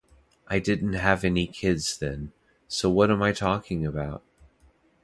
I didn't have any kids then ... so what am I talking about?